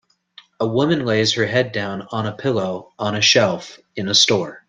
A woman lays her head down on a pillow on a shelf in a store.